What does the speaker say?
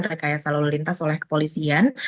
rekayasa lalu lintas oleh kepolisian